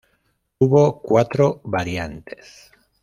Hubo cuatro variantes.